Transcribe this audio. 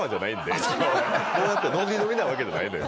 こうやってノリノリなわけじゃないのよ。